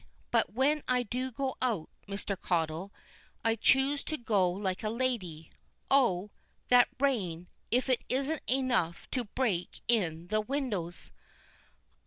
But when I do go out, Mr. Caudle, I choose to go like a lady. Oh! that rain if it isn't enough to break in the windows.